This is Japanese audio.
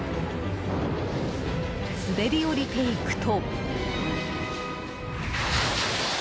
滑り下りていくと。